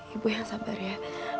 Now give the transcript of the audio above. ibu yang sabar ya